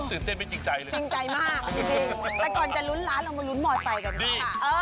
ตื่นเต้นไม่จริงใจเลยนะครับจริงใจมากแต่ก่อนจะลุ้นร้านเรามาลุ้นมอเตอร์ไซค์กันก่อนครับ